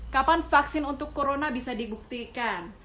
kapan vaksin untuk corona bisa dibuktikan